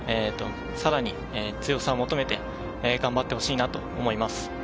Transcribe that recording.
さらに強さを求めて頑張ってほしいと思います。